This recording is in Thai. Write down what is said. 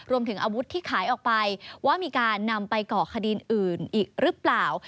รวมถึงอาวุธที่ขายออกไปว่ามีการนำไปก่อคดีอื่นอีกหรือเปล่า